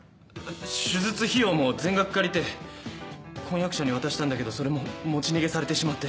手術費用も全額借りて婚約者に渡したんだけどそれも持ち逃げされてしまって。